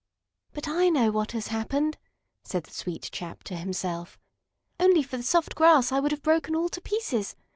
"But I know what has happened," said the sweet chap to himself. "Only for the soft grass I would have broken all to pieces!